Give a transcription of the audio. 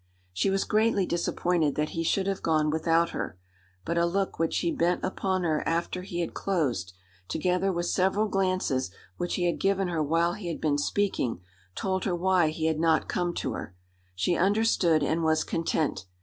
She was greatly disappointed that he should have gone without her; but a look which he bent upon her after he had closed, together with several glances which he had given her while he had been speaking, told her why he had not come to her. She understood and was content.